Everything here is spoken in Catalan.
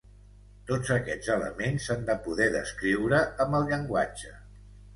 Tots aquests elements s'han de poder descriure amb el llenguatge.